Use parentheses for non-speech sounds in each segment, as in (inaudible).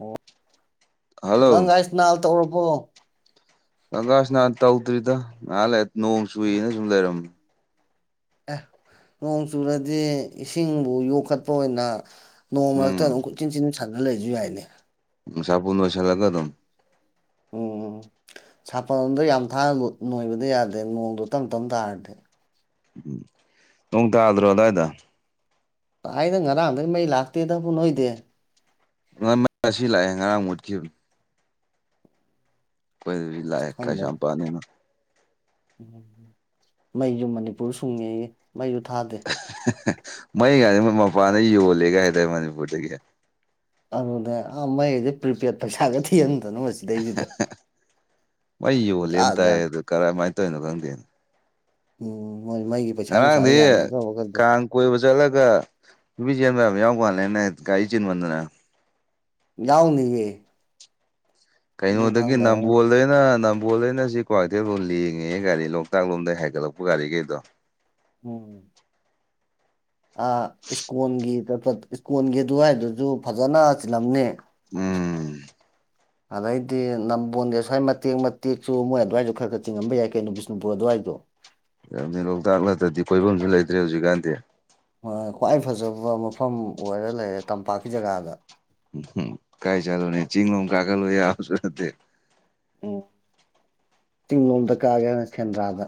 ꯑꯣ ꯍꯜꯂꯣ ꯒꯪꯒꯥ ꯏꯁꯅꯥꯜ ꯇꯧꯔꯔꯕꯣ ꯀꯀꯥꯁ ꯅꯍꯥꯟ ꯇꯧꯗ꯭ꯔꯤꯗ ꯅꯍꯥꯟ ꯅꯣꯡ ꯆꯨꯏꯅ ꯁꯨꯝ ꯂꯩꯔꯝꯃꯦ ꯑꯦ ꯅꯣꯡ ꯆꯨꯔꯗꯤ ꯏꯁꯤꯡꯕꯨ ꯌꯣꯛꯈꯠꯄ ꯑꯣꯏꯅ ꯅꯣꯡꯃ ꯃꯔꯛꯇ ꯎꯝ ꯑꯗꯨꯝ ꯀꯣꯏꯆꯦꯟ ꯆꯤꯟꯕꯤ ꯁꯥꯟꯅꯔꯖꯨ ꯂꯩ ꯌꯥꯏꯅꯦ꯫ ꯁꯄꯣꯟ ꯅꯣꯢꯁꯜꯂꯒ ꯑꯗꯨꯝ ꯎꯝ ꯎꯝ ꯁꯥꯄꯣꯟꯗꯣ ꯌꯥꯝ ꯊꯥꯅ ꯅꯣꯏꯕꯗꯤ ꯌꯥꯗꯦ ꯅꯣꯡꯗꯣ ꯇꯞ ꯇꯞ ꯇꯥꯔꯗꯤ꯫ ꯎꯝ ꯅꯣꯡ ꯇꯥꯗ꯭ꯔꯣ ꯑꯗꯥꯏꯗ꯫ ꯥꯇꯥꯏꯗ ꯉꯔꯥꯡꯗꯩ ꯃꯩ ꯂꯥꯛꯇꯦꯗꯕꯨ ꯅꯣꯏꯗꯤ꯫ (unintelligible) ꯉꯁꯤ ꯂꯥꯛꯑꯦ ꯉꯔꯥꯡ ꯃꯨꯠꯈꯤꯕꯅꯤ꯫ ꯈꯣꯏꯗꯗꯤ ꯑꯁ ꯂꯥꯥꯛꯑꯦ ꯈꯪꯗꯕ ꯀꯩꯁꯥꯝꯄꯥꯠꯅꯤꯅ꯫ ꯎꯝ ꯃꯩꯁꯨ ꯃꯅꯤꯄꯨꯔ ꯁꯨꯡꯉꯦꯌꯦ ꯃꯩꯁꯨ ꯊꯥꯗꯦ꯫ (unintelligible) ꯃꯩ ꯀꯥꯁꯤ ꯃꯄꯥꯟꯗ ꯌꯣꯜꯂꯦꯒ ꯍꯥꯏꯗꯥꯏ ꯃꯅꯤꯄꯨꯔꯗꯒꯤ꯫ ꯑꯗꯨꯅꯦ ꯑꯥ ꯃꯩꯒꯗꯤ ꯄ꯭ꯔꯤꯄꯦꯗ ꯄꯩꯁꯥꯒ ꯊꯤꯍꯟꯗꯅ ꯃꯁꯤ (unintelligible) ꯃꯩ ꯌꯣꯜꯂꯦꯅ ꯖꯥꯠ ꯇꯥꯏ ꯖꯥꯠ ꯑꯗꯨ ꯀꯔꯥꯏꯃꯥꯏꯅ ꯇꯧꯔꯤꯅꯣ ꯈꯪꯗꯦꯅꯦ꯫ ꯎꯝ ꯃꯣꯏ ꯃꯥꯏꯒꯤ ꯉꯔꯥꯡꯗꯤ ꯀꯥꯡ ꯀꯣꯏꯕ ꯆꯠꯂꯒ ꯅꯨꯄꯤ ꯆꯦꯟꯕꯕ ꯌꯥꯎ ꯀꯜꯂꯦꯅꯦ ꯒꯥꯔꯤ ꯆꯤꯟꯕꯅꯤꯅ ꯌꯥꯎꯅꯤꯌꯦ ꯑꯗꯨ ꯀꯩꯅꯣꯗꯒꯤ ꯈꯪꯗꯕ ꯑꯩꯅ. ꯅꯝꯕꯣꯜꯗꯩꯅ ꯕꯣꯂ ꯑꯩꯅ ꯁꯤ ꯀ꯭ꯋꯥꯏꯊꯦꯜꯣꯝ ꯂꯦꯡꯉꯦ ꯒꯥꯔꯤ ꯂꯣꯛꯇꯥꯛ ꯂꯣꯝꯗ ꯍꯥꯏꯒꯠꯂꯛꯄ ꯒꯥꯔꯤꯈꯩꯗꯣ ꯎꯝ ꯑ ꯏꯁꯀꯣꯟꯒꯤ ꯏꯁꯀꯣꯟꯒꯤ ꯑꯗꯨꯋꯥꯏꯗꯨꯁꯨ ꯐꯖꯅ ꯆꯤꯜꯂꯝꯅꯦ ꯎꯝ ꯑꯗꯩꯗꯤ ꯅꯝꯕꯣꯟꯗꯦꯁ꯭ꯋꯥꯏ ꯃꯇꯦꯛ ꯃꯇꯦꯛꯁꯨ ꯃꯣꯏ ꯑꯗꯨꯋꯥꯏꯗꯁꯨ ꯈꯔ ꯈꯔ ꯆꯤꯡꯉꯝꯕ ꯌꯥꯏ ꯀꯩꯅꯣ ꯁꯅꯨꯄꯨꯔ ꯑꯗꯨꯋꯥꯏꯗꯣ ꯌꯥꯝꯅꯤ ꯂꯣꯛꯇꯥꯛ ꯅꯠꯇ꯭ꯔꯗꯤ ꯀꯣꯏꯐꯝꯁꯨ ꯂꯩꯇ꯭ꯔꯦ ꯍꯧꯖꯤꯛꯀꯥꯟꯗꯤ ꯈ꯭ꯋꯥꯏ ꯐꯖꯕ ꯃꯐꯝ ꯑꯣꯏꯔ ꯂꯩꯔꯦ ꯇꯝꯄꯥꯛꯀꯤ ꯖꯒꯥꯗ ꯀꯥꯏ ꯆꯠꯂꯨꯅꯤ ꯆꯤꯡ ꯂꯣꯝ ꯀꯥꯈꯠꯂꯨ ꯌꯥꯕꯁꯨ ꯅꯠꯇꯦ꯫ ꯎꯝ ꯆꯤꯡꯂꯣꯝꯗ ꯀꯥꯒꯦ ꯍꯥꯏꯅ ꯁꯦꯟꯗ꯭ꯔꯥꯗ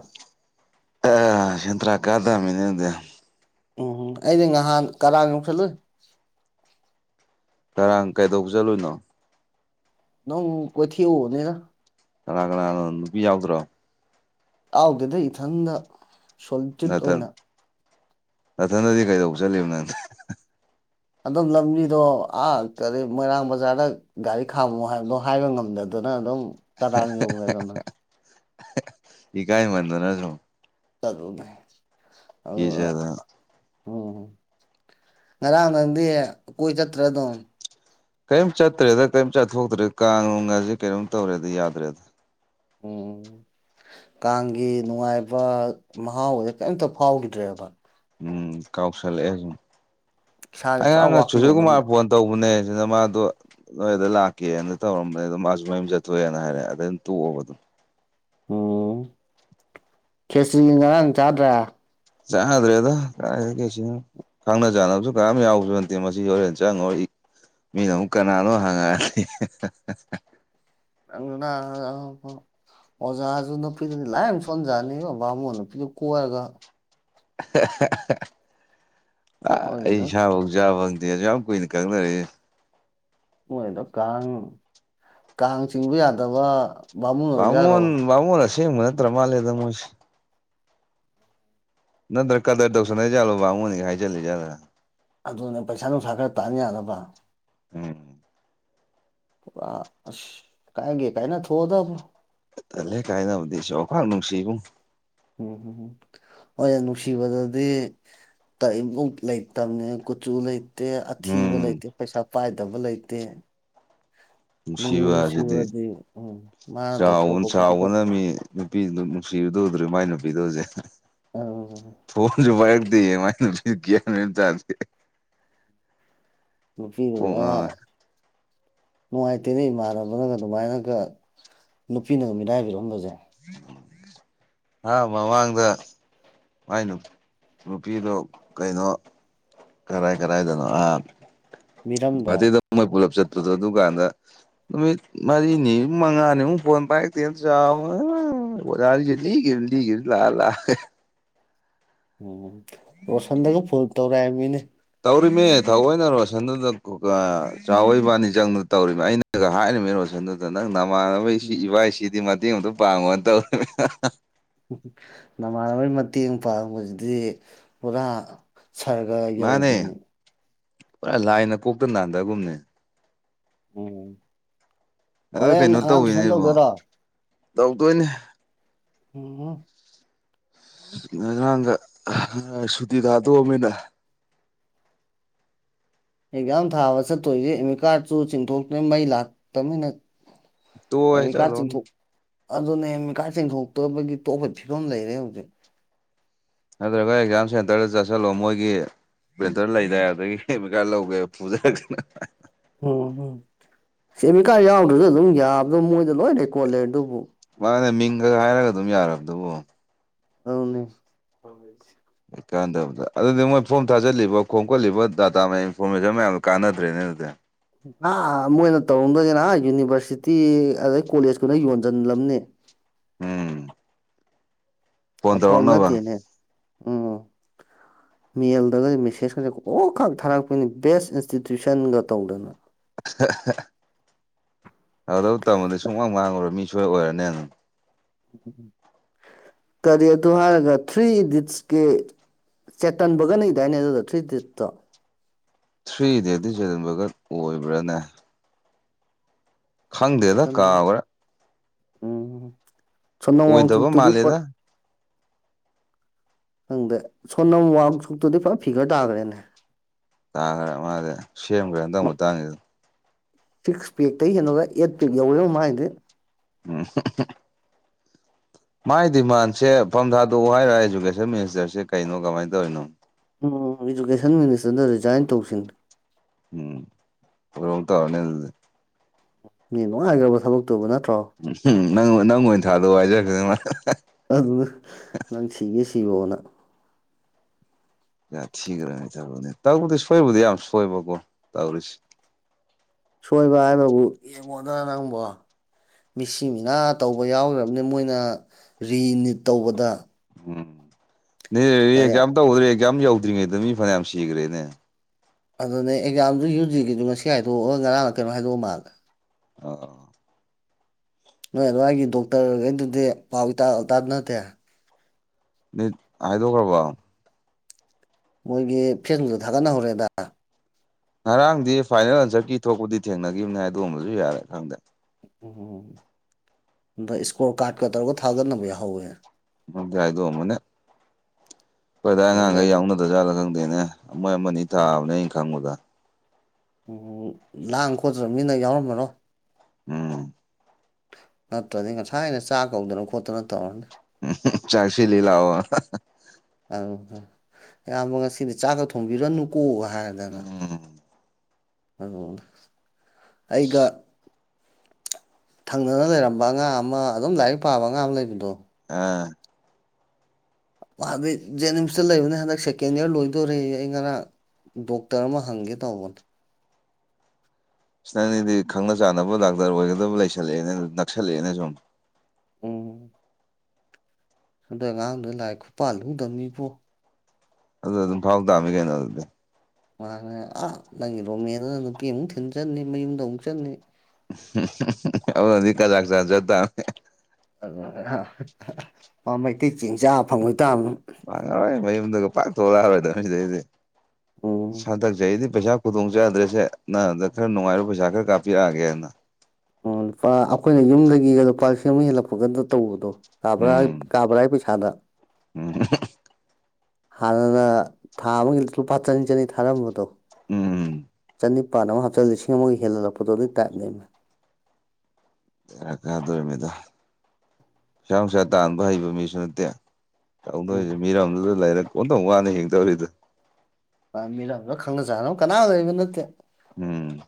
ꯁꯦꯟꯗ꯭ꯔꯥ ꯀꯥ ꯇꯥꯝꯃꯤꯅꯦ ꯑꯗꯨꯗꯤ꯫ ꯎꯝꯝ ꯑꯩꯗꯤ ꯅꯍꯥꯟ ꯀꯔꯥꯡ ꯌꯧꯁꯜꯂꯨꯏ꯫ ꯀꯔꯥꯡ ꯀꯩꯗꯧꯕ ꯆꯠꯂꯨꯏꯅꯣ꯫ ꯑꯗꯨꯝ ꯀꯣꯏꯊꯦꯛꯎꯕꯅꯤꯗ꯫ ꯀꯅꯥ ꯀꯅꯥꯅꯣ ꯅꯨꯄꯤ ꯌꯥꯎꯗ꯭ꯔꯣ꯫ ꯌꯥꯎꯗꯦꯗ ꯏꯊꯟꯗ ꯁꯣꯂꯤꯇ꯭ꯌꯨꯠ ꯅꯥꯊꯟ ꯑꯣꯏꯅ ꯅꯥꯊꯟꯗꯗꯤ ꯀꯩꯗꯧꯕ ꯆꯠꯂꯤꯕ ꯅꯪꯗꯤ꯫ ꯑꯗꯨꯝ ꯂꯝꯕꯤꯗꯣ ꯑꯥ ꯀꯔꯤ ꯃꯣꯏꯔꯥꯡ ꯕꯖꯥꯔꯗ ꯒꯥꯔꯤ ꯈꯥꯝꯃꯣ ꯍꯥꯏꯕꯗꯣ ꯍꯥꯏꯕ ꯉꯝꯗꯗꯅ ꯑꯗꯨꯝ ꯀꯔꯥꯡ ꯌꯧꯈ꯭ꯔꯦꯗꯅ ꯏꯀꯥꯏꯃꯟꯗꯅ ꯑꯗꯨꯝ꯫ ꯆꯠꯂꯨꯕꯅꯤ꯫ (unintelligible) ꯑꯣ ꯉꯔꯥꯡ ꯅꯪꯗꯤ ꯀꯣꯏ ꯆꯠꯇ꯭ꯔꯦ ꯑꯗꯨꯝ ꯀꯔꯤꯝ ꯆꯠꯇ꯭ꯔꯦꯗ ꯀꯔꯤꯝ ꯆꯠꯊꯣꯛꯇ꯭ꯔꯦ ꯀꯥꯡꯅꯨꯡ ꯀꯥꯁꯦ ꯀꯩꯅꯣꯝ ꯇꯧꯔꯦꯗ ꯌꯥꯗ꯭ꯔꯦꯗ꯫ ꯎꯝ (unintelligible) ꯀꯥꯡꯒꯤ ꯅꯨꯡꯉꯥꯏꯕ ꯃꯍꯥꯎꯀꯁꯦ ꯀꯔꯤꯝꯇ ꯐꯥꯎꯒꯤꯗ꯭ꯔꯦꯕ꯫ ꯎꯝ ꯀꯥꯎꯁꯜꯂꯛꯑꯦ ꯁꯨꯝ ꯏꯁꯥꯁꯦ ꯄꯨꯔꯥ ꯑꯩꯉꯥꯔꯥꯡꯅ ꯋꯥꯈꯜꯂꯣꯟ ꯑꯃꯗ ꯁꯨꯆꯤꯜꯀꯨꯃꯥꯔ ꯐꯣꯟ ꯇꯧꯕꯅꯦ ꯁꯤꯗ ꯃꯥꯗꯣ ꯅꯣꯏꯗ ꯂꯥꯛꯀꯦꯅ ꯇꯧꯔꯝꯕꯅꯦ ꯑ ꯑꯗꯨꯝ ꯃꯥꯁꯨ ꯃꯌꯨꯝ ꯆꯠꯊꯣꯛꯑꯦꯅ ꯍꯥꯏꯔꯦ ꯑꯗ ꯑꯩꯅ ꯇꯣꯛꯑꯕ ꯑꯗꯨꯝ꯫ ꯎꯝ ꯈꯦꯆ꯭ꯔꯤ ꯉꯔꯥꯡ ꯆꯥꯗ꯭ꯔꯦ꯫ ꯆꯗ꯭ꯔꯦ ꯑꯗꯣ ꯀꯥꯢꯗꯩ ꯈ꯭ꯔꯦꯆꯤꯅꯣ꯫ ꯈꯪꯅ ꯆꯥꯟꯅꯕꯁꯨ ꯀꯅꯥꯝ ꯌꯥꯎꯕꯖꯨ ꯅꯠꯇꯦ ꯃꯁꯤ ꯍꯣꯔꯦꯟ ꯆꯪꯉꯨꯔ ꯏ ꯃꯤꯅ ꯑꯃꯨꯛ ꯀꯅꯥꯅꯣ ꯍꯪꯉꯛꯑꯗꯤ (unintelligible) (unintelligible) ꯑꯣꯖꯥꯖꯨ ꯅꯄꯤꯗꯗꯤ ꯂꯥꯏꯝ ꯁꯣꯟꯖꯥꯅꯤꯀꯣ ꯕꯥꯃꯣꯟ ꯅꯨꯄꯤꯗꯨ ꯀꯣꯏꯍꯔꯒ ꯑ ꯃꯣꯏꯒꯤꯗ ꯏꯁꯥ ꯖꯥ ꯐꯪꯗꯦ ꯑꯗꯨꯁꯨ ꯌꯥꯝ ꯀꯨꯏꯅ ꯀꯪꯅꯔꯏ ꯃꯣꯏꯗ ꯀꯥꯡ ꯀꯥꯡ ꯆꯤꯡꯕ ꯌꯥꯗꯕ ꯕꯥꯃꯣꯟ ꯕꯥꯃꯣꯟ ꯑꯁꯦꯡꯕ ꯅꯠꯇ꯭ꯔ ꯃꯥꯜꯂꯦꯗ ꯃꯣꯏꯁꯤ ꯅꯠꯇ꯭ꯔ ꯀꯗꯥꯔ ꯇꯧꯁꯟ ꯍꯥꯏ ꯖꯠꯂꯣꯕꯕꯥ ꯑꯃꯨꯅꯤ ꯍꯥꯏꯖꯜꯂꯤꯖꯠꯂꯥ ꯑꯗꯨꯅ ꯄꯩꯁꯥ ꯅꯨꯡꯁꯥ ꯈꯔ ꯇꯥꯅ ꯌꯥꯅꯕ ꯎꯝ ꯄꯨꯔꯥ ꯑꯁ ꯀꯥꯏꯒꯦ ꯀꯥꯏꯅ ꯊꯣꯛꯑꯣꯗꯕ ꯇꯜꯂꯦ ꯀꯥꯏꯅꯕꯗꯤꯁꯨꯐꯥꯛ ꯅꯨꯡꯁꯤꯕꯨꯡ ꯎꯝ ꯍꯝ ꯍꯣꯏ ꯅꯨꯡꯁꯤꯕꯗꯗꯤ ꯏꯃꯛ ꯂꯩꯇꯕꯅꯦ ꯀꯨꯆꯨ ꯂꯩꯇꯦ ꯑꯊꯤꯕ ꯎꯝ ꯂꯩꯇꯦ ꯄꯩꯁꯥ ꯄꯥꯏꯗꯕ ꯂꯩꯇꯦ ꯅꯨꯡꯕꯨ ꯅꯨꯡꯁꯤꯕ ꯍꯥꯏꯁꯤꯗꯤ ꯅꯨꯡꯁꯤꯔꯨꯔꯗꯤ ꯎꯝ ꯃꯥꯅ ꯆꯥꯎꯕꯅ ꯇꯧꯊꯣꯔꯛꯄ ꯈꯨꯗꯤꯡꯃꯛ ꯆꯥꯎꯕꯅ ꯃꯤ ꯅꯨꯄꯤꯗꯨ ꯑꯗꯨꯝ ꯅꯨꯡꯁꯤꯔꯤꯗꯣ ꯎꯗ꯭ꯔ ꯃꯥꯏ ꯅꯨꯄꯤꯗꯨ ꯍꯧꯖꯤꯛ ꯑ ꯐꯣꯟꯖꯨ ꯄꯥꯏꯔꯛꯇꯦꯌꯦ ꯃꯥꯏ ꯅꯨꯄꯤ ꯒꯌꯥꯟ ꯃꯦꯟ ꯇꯥꯗꯦ꯫ ꯀꯣꯛ ꯅꯨꯄꯤꯗꯨꯒ ꯉꯥꯎꯋꯦ ꯅꯨꯡꯉꯥꯏꯇꯦꯅꯦ ꯏꯃꯥꯟꯅꯕꯅꯒ ꯑꯗꯨꯃꯥꯏꯅꯒ ꯅꯨꯄꯤꯅꯒ ꯃꯤꯔꯥꯏꯕꯤꯔꯝꯕꯖꯦ꯫ (unintelligible) ꯑꯥ ꯃꯃꯥꯡꯗ ꯃꯥꯏ ꯅꯨꯄꯤꯗꯣ ꯀꯩꯅꯣ ꯀꯔꯥꯏ ꯀꯔꯥꯏꯗꯅꯣ ꯑꯥ ꯃꯤꯔꯝꯗ ꯒꯨꯑꯇꯤꯗ ꯃꯣꯏ ꯄꯨꯂꯞ ꯆꯠꯄꯗꯣ ꯑꯗꯨꯀꯥꯟꯗ ꯅꯨꯃꯤꯠ ꯃꯔꯤꯅꯤ ꯃꯉꯥꯅꯤꯃꯨꯛ ꯐꯣꯟ ꯄꯥꯏꯛꯇꯦ ꯁꯥꯎꯕꯗ ꯢꯃꯥꯢ ꯑꯣꯖꯖꯤ ꯂꯤꯒꯤꯕꯖꯤꯅ ꯂꯤꯒꯤꯕꯖꯤꯅ ꯂꯥꯛꯑ ꯂꯥꯛꯑꯒ ꯎꯝ ꯔꯣꯁꯟꯗꯒ ꯐꯣꯟ ꯇꯧꯔꯛꯑꯦ ꯍꯥꯏꯃꯤꯅꯦ꯫ ꯇꯧꯔꯤꯃꯦ ꯊꯑꯣꯏꯅ ꯔꯣꯁꯟꯗꯨꯗ ꯑ ꯆꯥꯎꯕ ꯏꯕꯥꯅꯤ ꯆꯪꯗꯨꯅ ꯇꯧꯔꯤꯃꯦ ꯑꯩꯅꯒ ꯍꯥꯏꯔꯤꯃꯦ ꯔꯣꯁꯟꯗꯨꯗ ꯑꯗ ꯅꯪ ꯅꯃꯥꯟꯅꯕꯁꯤ ꯎꯝ ꯏꯕꯥꯏꯁꯤꯗꯤ ꯃꯇꯦꯡ ꯑꯃꯇ ꯄꯥꯡꯉꯣꯅ ꯇꯧꯋꯦ ꯅꯃꯥꯟꯅꯕꯩ ꯃꯇꯦꯡ ꯄꯥꯡꯕꯁꯤꯗꯤ ꯄꯨꯔꯥ ꯁꯔꯒ ꯃꯥꯅꯦ ꯌꯧꯕꯤꯅꯤ ꯄꯨꯔꯥ ꯂꯥꯏꯅ ꯀꯣꯛꯇ ꯅꯥꯟꯊꯒꯨꯝꯅꯦ ꯎꯝ ꯑ ꯍꯣꯔꯦꯟ ꯀꯩꯅꯣ ꯑꯉꯥꯡ ꯇꯨꯏꯁꯟ ꯇꯧꯋꯤꯅꯦꯕꯣ ꯇꯧꯗꯣꯏꯔꯣ ꯇꯧꯗꯣꯏꯅꯦ ꯑꯝ ꯑꯉꯥꯡꯒ ꯁꯨꯇꯤ ꯊꯥꯗꯣꯛꯑꯃꯤꯅ ꯑꯦꯛꯖꯥꯝ ꯊꯥꯕ ꯆꯠꯇꯣꯏꯁꯦ ꯑꯦꯃꯤ ꯀꯥꯔꯁꯨꯨ ꯆꯤꯡꯊꯣꯛꯇꯅ ꯃꯩ ꯂꯥꯛꯇꯕꯅꯤꯅ ꯇꯣꯛꯑꯦ ꯑꯦꯃꯤꯀꯥ ꯆꯠꯂꯣ ꯆꯤꯡꯊꯣꯛ ꯑꯗꯨꯅꯦ ꯑꯦꯃꯤꯀꯥ ꯆꯤꯡꯊꯣꯛꯇꯕꯒꯤ ꯇꯣꯞꯄ ꯐꯤꯕꯝ ꯂꯩꯔꯦ ꯍꯧꯖꯤꯛ ꯅꯠꯇ꯭ꯔꯒ ꯑꯦꯛꯖꯥꯝ ꯁꯦꯟꯇꯔꯗ ꯆꯠꯁꯤꯜꯂꯣ ꯃꯣꯏꯒꯤ ꯕꯦꯟꯇꯔ ꯂꯩꯗꯥ ꯑꯗꯒꯤ ꯑꯦꯃꯤꯠ ꯀꯥꯔ ꯂꯧꯒꯦꯕ ꯄꯨꯖꯔꯒꯅ ꯎꯝ ꯀꯦꯃꯤꯀꯥꯠ ꯌꯥꯎꯗ꯭ꯔꯁꯨ ꯑꯗꯨꯝ ꯌꯥꯕꯗꯣ ꯃꯣꯏꯗ ꯂꯣꯏ ꯔꯦꯀꯣꯠ ꯂꯩꯗꯨꯕꯨ ꯃꯥꯅꯦ ꯃꯤꯡꯈꯛ ꯍꯥꯏꯔꯒ ꯑꯗꯨꯝ ꯌꯥꯔꯕꯗꯨꯕꯨ ꯑꯧꯅꯦ ꯍ ꯀꯥꯟꯗꯕꯗ ꯑꯗꯨꯗꯤ ꯃꯣꯏ ꯐꯣꯝ ꯊꯥꯖꯤꯜꯂꯤꯕ ꯈꯣꯝꯀꯠꯂꯤꯕ ꯗꯥꯇꯥ ꯃꯌꯥꯝ ꯏꯟꯐꯣꯔꯃꯦꯁꯟ ꯃꯌꯥꯝꯗꯣ ꯀꯥꯟꯅꯗ꯭ꯔꯦꯅꯦ ꯑꯗꯨꯗꯤ ꯑ ꯃꯣꯏꯅ ꯇꯧꯔꯝꯗꯣꯏꯖꯤꯅ ꯌꯨꯅꯤꯚꯔꯁꯤꯇꯤ ꯑꯗꯩ ꯀꯣꯂꯦꯖꯀꯨꯅ ꯌꯣꯟꯁꯤꯜꯂꯝꯅꯤ ꯎꯝ ꯐꯣꯟ ꯑꯐꯕ ꯇꯧꯔꯛꯅꯕ ꯅꯠꯇꯦꯅꯦ (unintelligible) ꯃꯦꯜꯗꯒ ꯃꯦꯁꯦꯁ ꯈꯁ ꯑꯣꯈꯛ ꯊꯥꯔꯛꯄꯅꯤ ꯕꯦꯁ ꯏꯟꯁꯇꯤꯇ꯭ꯌꯨꯁꯟꯒ ꯇꯧꯗꯅ ꯑꯗꯨ ꯇꯃꯗꯤ ꯁꯨꯡꯃꯥꯡ ꯉꯥꯡꯉꯔꯣꯏ ꯃꯤ ꯁꯣꯏ ꯑꯣꯏꯔꯅꯦ ꯑꯗꯨ (unintelligible) ꯀꯔꯤ ꯑꯗꯨ ꯍꯥꯏꯔꯒ ꯊ꯭ꯔꯤ ꯏꯗꯤꯠꯁꯀꯤ ꯆꯦꯇꯟꯕꯒꯅ ꯏꯗꯥꯏꯅꯦ ꯑꯗꯨꯗꯣ ꯊ꯭ꯔꯤ ꯗꯤꯠꯇꯣ ꯊ꯭ꯔꯤ ꯏꯗꯤꯇꯤ ꯆꯟꯕꯒꯔ ꯑꯣꯏꯕ꯭ꯔꯥꯅꯦ ꯈꯪꯗꯦꯗ ꯆꯇꯥꯟꯂ ꯀꯥꯎꯈ꯭ꯔꯦ ꯎꯝ ꯁꯅ ꯋꯥꯡꯁꯨ ꯑꯣꯏꯗꯕ ꯎꯠꯇꯗꯤ ꯄꯠ ꯃꯥꯜꯂꯦꯗ ꯈꯪꯗ ꯁꯣꯟꯅꯝ ꯋꯥꯡꯁꯨꯛꯇꯨꯗꯤ ꯐꯖ ꯐꯤꯒꯔ ꯇꯥꯈ꯭ꯔꯦꯅꯦ ꯇꯥꯈ꯭ꯔꯦ ꯃꯥꯁꯦ ꯁꯦꯝꯈ꯭ꯔꯦ ꯍꯟꯗꯛ ꯃꯇꯥꯡꯁꯤꯗ ꯁꯤꯛꯁ ꯄꯦꯛꯇ ꯍꯦꯜꯂꯣꯒ ꯑꯩꯠ ꯄꯦꯛ ꯌꯧꯋꯦꯕ ꯃꯥꯥꯏꯗꯤ ꯎꯝ ꯃꯥꯥꯏ ꯗꯤꯃꯥꯟꯁꯦ ꯐꯝ ꯊꯥꯗꯣꯛꯎ ꯍꯥꯏꯔ ꯏꯖꯨꯀꯦꯁꯟ ꯃꯤꯅꯤꯁꯇꯔꯁꯦ ꯀꯩꯅꯣ ꯀꯃꯥꯏꯅ ꯇꯧꯔꯤꯅꯣ ꯎꯝ ꯏꯗꯨꯀꯦꯁꯟ ꯃꯤꯅꯤꯁꯇꯔꯅ ꯔꯤꯖꯥꯏꯟ ꯇꯧꯁꯤꯅꯦ ꯎꯝ ꯑꯣꯏꯔꯝ ꯇꯧꯅꯤ ꯑꯗꯨꯗꯤ ꯃꯤ ꯅꯨꯡꯉꯥꯏꯈ꯭ꯔꯕ ꯊꯕꯛꯇꯨꯕ ꯅꯠꯇ꯭ꯔꯣ ꯎꯝꯝ ꯅꯪ ꯅꯪ ꯑꯣꯏꯅ ꯊꯥꯗ ꯍꯥꯏꯖꯔꯈꯗ ꯃꯥ ꯑꯗꯨꯅ ꯅꯪ ꯁꯤꯒꯦ ꯁꯤꯔꯣꯅ ꯌꯥ ꯊꯤꯈ꯭ꯔꯅꯤ ꯇꯕꯅꯦ ꯇꯧꯕꯗꯤ ꯁꯣꯏꯕꯨꯗꯤ ꯌꯥꯝ ꯁꯣꯏꯕꯀꯣ ꯇꯧꯔꯤꯁꯦ ꯁꯣꯏꯕ ꯍꯥꯏꯕꯕꯨ ꯌꯦꯡꯉꯣꯗ꯭ꯔꯥ ꯅꯪꯕꯣ ꯃꯤꯁꯤ ꯃꯤꯅꯥ ꯇꯧꯕ ꯌꯥꯎꯈ꯭ꯔꯕꯅꯤ ꯃꯣꯏꯅ ꯔꯤꯅꯤꯠ ꯇꯧꯕꯗ ꯎꯝ ꯅ ꯀꯔꯤ ꯑꯦꯛꯖꯥꯝ ꯇꯧꯗ꯭ꯔꯦ ꯑꯦꯛꯖꯥꯝ ꯌꯧꯗ꯭ꯔꯤꯉꯩꯗ ꯃꯤ ꯐꯅꯌꯥꯝ ꯁꯤꯈ꯭ꯔꯦꯅꯦ ꯑꯗꯨꯅꯦ ꯑꯦꯛꯖꯥꯝꯗꯨ ꯌꯨ ꯖꯤꯒꯤꯗꯨ ꯉ ꯍꯥꯏꯗꯣꯛꯑꯒ ꯉꯔꯥꯡꯅ ꯀꯩꯅꯣ ꯍꯥꯏꯗꯣꯛꯑ ꯃꯥꯜꯂꯦ ꯑ ꯅꯣꯏ ꯑꯗꯨꯋꯥꯏꯒꯤ ꯗꯣꯛꯇꯔꯈꯩꯗꯨꯗꯤ ꯄꯥꯎ ꯇ ꯇꯥꯗ ꯅꯠꯇꯦ ꯅꯠ ꯍꯥꯏꯗꯣꯛꯈ꯭ꯔꯕꯣ ꯃꯣꯏꯒꯤ ꯐꯦꯟꯗꯨꯣ ꯊꯥꯒꯠꯅꯍꯧꯔꯦꯗ ꯉꯔꯥꯡꯗꯤ ꯐꯥꯏꯅꯦꯜ ꯑꯟꯁꯔꯒꯤꯤ ꯊꯣꯛꯄꯗꯤ ꯊꯦꯡꯅꯈꯤꯕꯅꯦ ꯑꯗꯨꯒꯨꯝꯕꯁꯨ ꯌꯥꯔꯦ ꯈꯪꯗꯦ ꯎꯝ ꯑꯗ ꯏꯁꯀꯣꯔ ꯀꯥꯔꯠꯀ ꯇꯧꯔꯒ ꯊꯥꯒꯠꯅꯕ ꯌꯥꯍꯧꯋꯦ ꯃ ꯍꯥꯏꯗꯣ ꯃꯅꯦ ꯑꯩꯈꯣꯏ ꯑꯗꯥꯏ ꯑꯉꯥꯡꯈꯩ ꯑꯗꯨꯗꯩ ꯌꯥꯎꯅꯗ꯭ꯔꯖꯥꯠꯂ ꯈꯪꯗꯦꯅꯦ ꯃꯣꯏ ꯑꯃ ꯑꯅꯤ ꯊꯥꯕꯅꯦ ꯑꯩꯅ ꯈꯪꯕꯗ ꯎꯝ ꯂꯥꯡ ꯈꯣꯠꯇ꯭ꯔꯕ ꯃꯤꯅ ꯌꯥꯎꯔꯝꯕꯅꯣ ꯎꯝ ꯅꯠꯇ꯭ꯔꯗꯤ ꯉꯁꯥꯏ ꯑꯩꯅ ꯆꯥꯛ ꯀꯧꯗꯅ ꯈꯣꯠꯇꯅ ꯇꯧꯔꯅꯤ ꯎꯝ ꯆꯥꯁꯤ ꯂꯤ ꯂꯑꯣ ꯑꯗꯨ ꯑꯌꯥꯝꯕ ꯉꯁꯤꯗꯤ ꯆꯥꯛꯒ ꯊꯣꯡꯕꯤꯔꯅꯨꯀꯣ ꯍꯥꯏꯗꯅ ꯎꯝ ꯑꯗꯨ ꯑꯩꯒ ꯊꯪꯅꯅ ꯂꯩꯔꯝꯕ ꯑꯉꯥꯡ ꯑꯃ ꯑꯗꯨꯝ ꯂꯥꯏꯔꯤꯛ ꯄꯥꯕ ꯑꯉꯥꯡ ꯑꯃ ꯂꯩꯕꯗꯣ ꯑꯥ ꯃꯥꯗꯤꯩ ꯖꯦꯅꯤꯝꯁꯇ ꯂꯩꯕꯅꯤ ꯍꯟꯗꯛ ꯁꯦꯀꯦꯟ ꯏꯌꯥꯔ ꯂꯣꯏꯗꯣꯔ ꯑꯩ ꯉꯔꯥꯡ ꯗꯣꯛꯇꯔ ꯑꯃ ꯍꯪꯒꯦ ꯇꯧꯕꯅꯦ ꯁꯤ ꯅꯪꯅꯤꯗꯤ ꯈꯪꯅ ꯆꯥꯟꯅꯕ ꯗꯥꯛꯇꯔ ꯑꯣꯏꯒꯗꯕ ꯂꯩꯁꯜꯂꯛꯑꯦꯅ ꯅꯛꯁꯜꯂꯛꯑꯦꯅ ꯁꯨꯝ ꯎꯝ ꯑꯗꯣ ꯑꯉꯥꯡꯗꯨꯗ ꯂꯥꯏꯔꯤꯛ ꯈꯨ ꯄꯥꯜꯂꯗꯕꯅꯤꯕꯣ ꯑꯗꯨ ꯑꯗꯨꯝ ꯐꯥꯎ ꯇꯥꯝꯃꯤ ꯀꯩꯅꯣ ꯑꯗꯨꯗꯤ ꯃꯥꯅ ꯑꯥ ꯅꯪꯒꯤ ꯔꯣꯃꯦꯗꯅ ꯅꯨꯄꯤ ꯑꯃꯨꯛ ꯊꯤꯟ ꯆꯟꯅꯤ ꯃꯌꯨꯝꯗ ꯑꯃꯨꯛ ꯆꯟꯅꯅꯤ ꯏꯀꯖꯥꯛꯆꯥꯠꯇ ꯑꯗꯨ ꯃꯩꯇꯩ ꯆꯤꯟꯖꯥꯛ ꯐꯪꯕꯣꯏ ꯇꯥꯕ ꯃꯥꯡꯉꯔꯣꯏ ꯃꯌꯨꯝꯗꯒ ꯄꯥꯛꯊꯣꯛꯂꯛꯑꯔꯣꯏꯗꯕꯅꯤ ꯁꯤꯗꯩꯗꯤ ꯎꯝ ꯁꯟꯗꯛ ꯆꯍꯤꯩꯗꯤ ꯄꯩꯁꯥ ꯈꯨꯗꯣꯡ ꯆꯗ꯭ꯔꯦꯁꯦ ꯅꯪꯗ ꯈꯔ ꯅꯨꯡꯉꯥꯏꯔꯨ ꯄꯩꯁꯥ ꯈꯔ ꯀꯥꯞꯄꯤꯔꯛꯑꯒꯦꯅ ꯑꯣ ꯂꯨꯄꯥ ꯑꯩꯈꯣꯏꯅ ꯌꯨꯝꯗꯒꯤꯒ ꯂꯨꯄꯥ ꯂꯤꯁꯤꯡ ꯑꯃꯨꯛ ꯍꯦꯜꯂꯛꯄꯒꯗ ꯇꯧꯕꯗꯣ ꯀꯥꯕꯔ ꯎꯝ ꯀꯥꯕꯔ ꯄꯤꯁꯥꯗ ꯎꯝ ꯍꯥꯟꯅꯅ ꯊꯥ ꯑꯃꯒꯤ ꯂꯨꯄꯥ ꯆꯅꯤ ꯆꯅꯤ ꯊꯥꯔꯝꯕꯗꯣ ꯎꯝ ꯎꯝ ꯆꯅꯤꯄꯥꯟ ꯑꯃ ꯍꯥꯞꯆꯜ ꯂꯤꯁꯤꯡ ꯑꯃꯒ ꯍꯦꯜꯍꯜꯂꯛꯄꯗꯣ ꯑꯗꯨꯒꯤ ꯇꯥꯏꯞꯅꯦꯕꯃꯦ ꯀꯥꯗꯣꯔꯤꯕꯃꯤꯗ ꯄꯩꯁꯥ ꯅꯨꯡꯁꯥ ꯇꯥꯟꯕ ꯍꯩꯕ ꯃꯤꯁꯨ ꯅꯠꯇꯦ ꯇꯧꯗꯣꯏꯁꯦ ꯎꯝ ꯃꯤꯔꯝꯗꯨꯗ ꯂꯩꯔꯦ ꯀꯣꯟꯇꯧ ꯋꯥꯅꯤ ꯍꯡꯗꯧꯔꯤꯗ ꯃꯤꯔꯗ ꯈꯪꯅ ꯆꯥꯅꯣ ꯀꯅꯥ ꯂꯩꯕ ꯅꯠꯇꯦ ꯎꯝ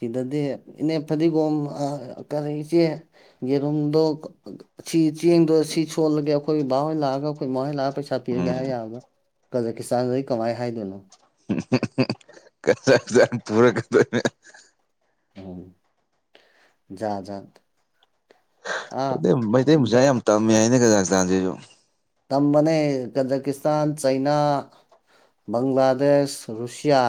ꯁꯤꯗꯗꯤ ꯏꯅꯦ ꯐꯗꯤꯒꯣꯝ ꯀꯔꯤꯆꯦ ꯌꯦꯔꯨꯝꯗꯣ ꯁꯤ ꯆꯦꯡꯗꯣ ꯁꯤ ꯁꯣꯜꯂꯒꯦ ꯑꯩꯈꯣꯏ ꯕꯥꯍꯣꯏ ꯂꯥꯛꯑꯒ ꯑꯩꯈꯣꯏ ꯃꯥꯍꯣꯏ ꯂꯥꯛꯑ ꯄꯩꯁꯥ ꯄꯤꯔꯒꯦ ꯎꯝ ꯍꯥꯏ ꯌꯥꯕ ꯀꯖꯥꯀꯤꯁꯇꯥꯟꯗꯩ ꯀꯃꯥꯏ ꯍꯥꯏꯗꯣꯏꯅꯣ ꯀꯅꯥ ꯆꯅ ꯄꯨꯔꯛ ꯀꯇꯕ ꯎ ꯌꯥꯥꯖꯥ ꯑ ꯃꯩꯇꯩ ꯃꯆꯥꯥ ꯌꯥꯝ ꯇꯝꯃꯦ ꯍꯥꯏꯅ ꯀꯖ ꯍ ꯆꯥꯟꯁꯤꯁꯨ ꯇꯝꯕꯅꯦ ꯀꯖꯀꯤꯁꯇꯥꯟ ꯆꯩꯅꯥ ꯕꯪꯒ꯭ꯂꯥꯗꯦꯁ ꯔꯨꯁꯤꯌꯥ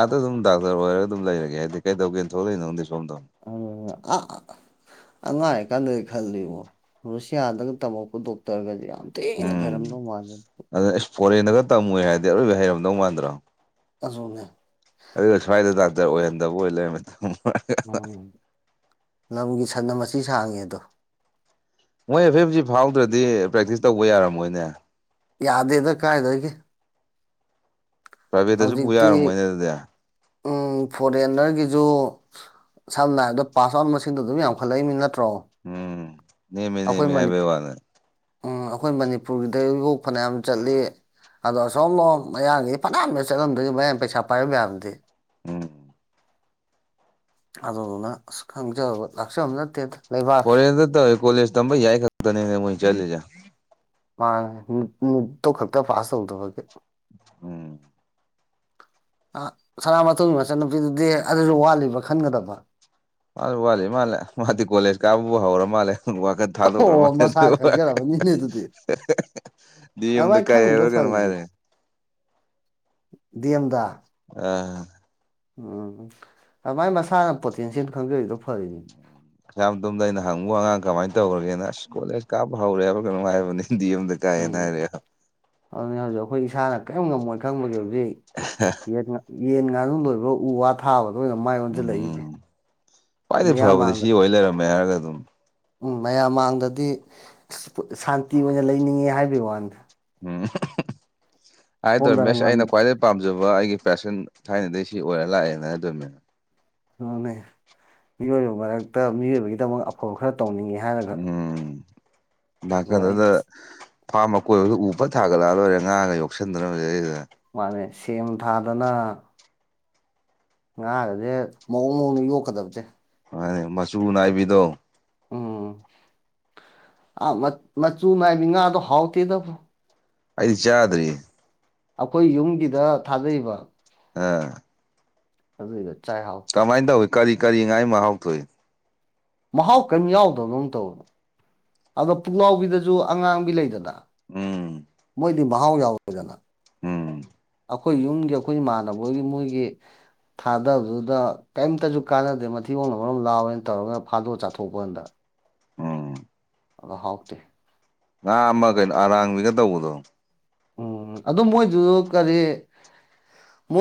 ꯑꯥꯗ ꯑꯗꯨꯝ ꯗꯥꯛꯇꯔ ꯑꯣꯏꯔꯒ ꯑꯗꯨꯝ ꯂꯩꯔꯒꯦ ꯍꯥꯏꯗꯤ ꯀꯩꯗꯧꯒꯦꯅ ꯊꯣꯛꯂꯛꯏꯅꯣꯪꯗꯤ ꯁꯣꯝꯗꯣ ꯑ ꯑ ꯑꯉꯥꯡ ꯑ ꯀꯥꯟꯗ ꯈꯜꯂꯤꯕꯣ ꯔꯨꯁꯤꯌꯥꯗꯒ ꯇꯝꯃꯛꯄ ꯗꯣꯛꯇꯔꯒꯁ ꯌꯥꯝ ꯇꯇꯩꯅ ꯐꯔꯝꯗꯧ ꯃꯥꯗ ꯑꯗꯨꯅ ꯑꯦꯁ ꯐꯣꯔꯦꯟꯗꯒ ꯇꯝꯃꯣꯏ ꯍꯥꯏꯔꯗꯤ ꯑꯔꯣꯏꯕ ꯍꯩꯔꯝꯗꯧ ꯃꯥꯟꯗ꯭ꯔꯣ ꯑꯗꯨꯅꯦ ꯑꯗꯨꯒ ꯁ꯭ꯋꯥꯏꯗ ꯗꯥꯛꯇꯔ ꯑꯣꯏꯍꯟꯗꯕ ꯑꯣꯏ ꯂꯩꯔ ꯃꯇꯝ ꯎꯝ ꯂꯝꯒꯤ ꯁꯠꯅ ꯃꯆꯤ ꯁꯥꯡꯉꯦ ꯑꯗꯣ ꯃꯣꯏꯐꯦꯁꯤ ꯐꯥꯎꯗ꯭ꯔꯗꯤ ꯄ꯭ꯔꯦꯛꯇꯤꯁ ꯇꯧꯕ ꯌꯥꯔꯝꯃꯣꯏꯅꯦ ꯌꯥꯗꯦꯗ ꯀꯥꯏꯗꯒꯦ ꯄ꯭ꯔꯥꯏꯚꯦꯠꯇꯁꯨ ꯄꯨ ꯍꯧꯖꯤꯛꯇꯤ ꯌꯥꯔꯝꯃꯣꯏꯅꯦ ꯑꯗꯨꯗꯤ ꯎꯝ ꯐꯣꯔꯦꯟꯅꯔꯒꯤꯁꯨ ꯁꯝꯅ ꯍꯥꯏ ꯑꯗ ꯄꯥꯁ ꯑꯥꯎꯟ ꯃꯁꯤꯡꯗꯣ ꯑꯗꯨꯝ ꯌꯥꯝꯈꯠꯂꯛꯏꯅꯤ ꯅꯠꯇ꯭ꯔꯣi ꯎꯝ ꯅꯤꯃꯤ ꯅꯤꯃꯤ ꯍꯥꯏꯕꯦ ꯋꯥꯅꯦ ꯎꯝ ꯑꯩꯈꯣꯏ ꯃꯅꯤꯄꯨꯔꯒꯤꯗ ꯌꯣꯛ ꯐꯅꯌꯥꯝ ꯆꯠꯂꯤ ꯑꯗꯣ ꯑꯁꯣꯝꯂ ꯃꯌꯥꯌꯥꯝꯒꯤ ꯐꯅꯥꯌꯥꯝꯅ ꯆꯠꯂꯝꯗꯗꯒꯤ ꯃꯌꯥꯝ ꯄꯩꯁꯥ ꯄꯥꯏꯔꯝ ꯌꯥꯕꯗꯤ ꯎꯝ ꯑꯗꯅ ꯈꯪ ꯂꯁ ꯍꯧ ꯅꯦ ꯐꯣꯔꯦꯠꯇꯧ ꯀꯣꯖ ꯇ ꯌꯥꯏ ꯈꯔ ꯃꯣꯏ ꯆꯂꯤꯖ ꯃꯥ ꯅꯨꯇꯣ ꯈꯛꯇ ꯄꯥꯁ ꯇꯧꯗꯕꯒꯤ ꯎꯝ ꯁꯅꯥꯥ ꯃꯊꯣꯏꯒꯤ ꯃꯆꯟꯅꯨꯄꯤꯗꯨꯗꯤ ꯑꯗꯨꯁꯨ ꯋꯥꯠꯂꯤꯕ ꯈꯟꯒꯗꯕ ꯃꯥ ꯋꯥꯠꯂ ꯃꯥꯜꯂꯦ ꯃꯥꯗꯤ ꯀꯣꯂꯦꯖ ꯀꯥꯕꯕꯨ ꯍꯧꯔ ꯃꯥꯜꯂꯦ ꯋꯥꯀ ꯊꯥꯗꯣꯛ ꯈ꯭ꯔꯣ ꯃꯥ ꯑꯣ ꯃꯁꯥ ꯈꯪꯖꯔꯕꯅꯤꯅꯦ ꯑꯗꯨꯗꯤ ꯗꯤ ꯌꯨꯝꯗ ꯑꯗꯨꯃꯥꯏꯅ ꯀꯥꯏ ꯈꯪꯉꯤꯗꯣ ꯍꯥꯏꯔꯥ ꯀꯩꯅꯣ ꯍꯥꯏꯔꯦ ꯗꯦꯝꯗꯥ ꯑ ꯎꯝ ꯎꯝ ꯎꯝ ꯃꯥꯏ ꯃꯁꯥꯅ ꯄꯣꯇꯦꯟꯁꯤꯌꯦꯜ ꯈꯪꯗꯔꯤꯗꯣ ꯐꯔꯤꯅꯤ ꯎ ꯑ ꯇꯣꯝꯗ ꯑꯩꯅ ꯍꯪꯉꯨ ꯑꯉꯥꯡ ꯀꯃꯥꯏꯅ ꯇꯧꯈꯒꯦꯅ ꯑꯁ ꯀꯣꯂꯦꯖ ꯀꯥꯞꯄ ꯍꯧꯔꯦꯕ ꯀꯩꯅꯣ ꯍꯥꯏꯕꯅꯤ ꯍꯤꯟꯗꯤ ꯑꯃꯗꯒꯤ ꯀꯥꯏꯅꯔꯦ ꯑꯗꯨꯅ ꯍꯧꯖꯤꯛ ꯑꯩꯈꯣꯏ ꯏꯁꯥꯅ ꯀꯔꯤꯝ ꯉꯝꯃꯣꯏ ꯈꯪꯕꯒꯤꯦ ꯍꯧꯖꯤꯛ ꯍ ꯌꯦꯟ ꯌꯦꯟ ꯉꯥꯅꯨ ꯂꯣꯏꯕ ꯎ ꯋꯥ ꯑꯊꯥꯕꯗ ꯑꯣꯏꯅ ꯃꯥꯏ ꯑꯣꯟꯁꯤꯜꯂꯛꯏꯁ ꯎꯝ ꯃꯤꯌꯥꯝ ꯃꯥꯟꯗꯅ ꯂꯣꯏ ꯂꯩꯔꯝꯃꯦ ꯍꯥꯏꯔꯒ ꯑꯗꯨꯝ ꯎꯝ ꯃꯌꯥꯝ ꯃꯥꯡꯗꯗꯤ ꯁꯥꯟꯇꯤ ꯑꯣꯏꯅ ꯂꯩꯅꯤꯡꯉꯦ ꯍꯥꯏꯕꯒꯤ ꯋꯥꯅꯤꯗ ꯎꯝ ꯍꯥꯏꯗꯣ ꯁꯣꯝꯗꯅ ꯔꯃꯦꯁ ꯑꯩꯅ ꯀꯋꯥ ꯄꯥꯝꯖꯕ ꯑꯩꯒꯤ ꯄꯦꯁꯟ ꯊꯥꯏꯅꯗꯒꯤ ꯁꯤ ꯑꯣꯏꯔ ꯂꯥꯛꯑꯦꯅ ꯑꯗꯨ ꯑꯗꯨꯕꯃꯤꯅ ꯑꯗꯨꯅꯦ ꯃꯤꯑꯣꯏꯕ ꯃꯔꯛꯇ ꯃꯤꯑꯣꯏꯕꯒꯤꯗꯃꯛ ꯑꯐꯕ ꯈꯔ ꯇꯧꯅꯤꯡꯉꯦ ꯍꯥꯏꯔꯒ ꯎꯝ ꯑꯗꯨꯒ ꯑꯩ ꯅꯥꯀꯟꯗꯨꯗ ꯐꯥꯝ ꯑꯀꯣꯏꯕꯗ ꯎ ꯐꯠ ꯊꯥꯒꯠꯂꯛꯑ ꯂꯣꯏꯔꯦ ꯉꯥꯒ ꯌꯣꯛꯁꯟꯗꯅ ꯃꯁꯤꯗꯩꯁꯤꯗ ꯃꯥꯅꯦ ꯁꯦꯝ ꯊꯥꯗꯅ ꯉꯥꯒꯁꯦ ꯃꯑꯣꯡ ꯃꯧꯅ ꯌꯣꯛꯀꯗꯕꯁꯦ ꯃꯥꯅꯦ ꯃꯆꯨ ꯅꯥꯏꯕꯤꯗꯣ ꯎꯝ ꯑ ꯃꯆꯨ ꯅꯥꯏ ꯕꯤ ꯉꯥꯗꯣ ꯍꯥꯎꯇꯦꯗꯕꯨ ꯑꯩꯗꯤ ꯆꯥꯗ꯭ꯔꯤ ꯑꯩꯈꯣꯏ ꯌꯨꯝꯒꯤꯗ ꯊꯥꯗꯩꯕ ꯎꯝ ꯑꯗꯨꯏꯗ ꯆꯥꯏ ꯍꯥꯎꯇꯦ ꯀꯃꯥꯏꯅ ꯇꯧꯏ ꯀꯔꯤ ꯀꯔꯤ ꯉꯥꯏ ꯃꯍꯥꯎ ꯊꯣꯛꯏ ꯃꯍꯥꯎ ꯀꯔꯤꯝ ꯌꯥꯎꯗꯕꯗꯧꯅ ꯇꯧꯋꯦ ꯑꯗꯣ ꯄꯨꯛꯂꯥꯎꯕꯤꯗꯁꯨ ꯑꯉꯥꯡꯕꯤ ꯂꯩꯗꯅ ꯎꯝ ꯃꯣꯏꯗꯤ ꯃꯍꯥꯎ ꯌꯥꯎꯔꯦꯗꯅ ꯎꯝ ꯑꯩꯈꯣꯏ ꯌꯨꯝꯒꯤ ꯑꯩꯈꯣꯏ ꯏꯃꯥꯟꯅꯕꯣꯏꯒꯤ ꯃꯣꯏꯒꯤ ꯊꯥꯗꯕꯗꯨꯗ ꯀꯔꯤꯝꯇꯁꯨ ꯀꯥꯟꯅꯗꯦ ꯃꯊꯤꯑꯣꯣꯡꯅꯕ ꯃꯔꯝ ꯂꯥꯎꯋꯅ ꯇꯧꯔꯒ ꯐꯥꯗꯣꯛ ꯆꯥꯊꯣꯛꯄꯥꯟꯗ ꯎꯝ ꯑꯗꯨꯒ ꯍꯥꯎꯇꯦ ꯉꯥ ꯑꯃ ꯀꯩꯅꯣ ꯑꯔꯥꯡꯕꯤꯒ ꯇꯧꯕꯗꯣ ꯎꯝ ꯑꯗꯨ ꯃꯣꯏꯗꯨ ꯀꯔꯤ ꯃꯣꯏ